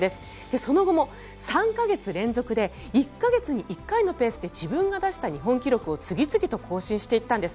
その後も３か月連続で１か月に１回のペースで自分が出した日本記録を次々と更新していったんです。